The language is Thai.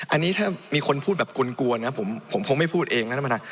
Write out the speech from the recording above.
อันนี้ถ้ามีคนพูดแบบกลวนนะผมคงไม่พูดเองนะท่านประธาน